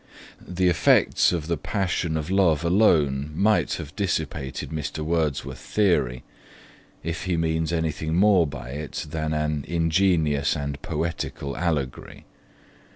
The effects of the passion of love alone might have dissipated Mr. Wordsworth's theory, if he means anything more by it than an ingenious and poetical allegory.